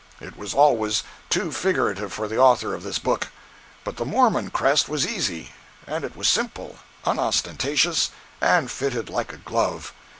It was always too figurative for the author of this book. But the Mormon crest was easy. And it was simple, unostentatious, and fitted like a glove.